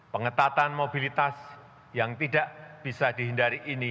pengetatan mobilitas yang tidak bisa dihindari ini